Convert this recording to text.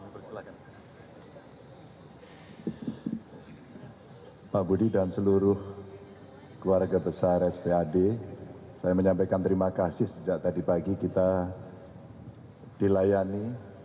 pak budi dan seluruh keluarga besar spad saya menyampaikan terima kasih sejak tadi pagi kita dilayani